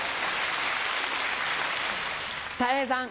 たい平さん。